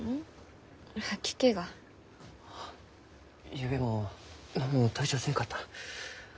ゆうべも何も食べちゃあせんかった。